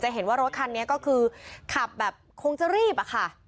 เห็นว่ารถคันนี้ก็คือขับแบบคงจะรีบอะค่ะ